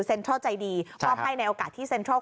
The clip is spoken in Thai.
เทิลใจดีมอบให้ในโอกาสที่เซ็นทรัล